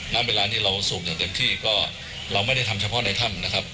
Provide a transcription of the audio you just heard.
ณเวลานี้เราสูบอย่างเต็มที่ก็เราไม่ได้ทำเฉพาะในถ้ำนะครับ